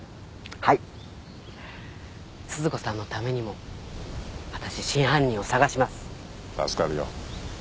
はい鈴子さんのためにも私真犯人を探します助かるよ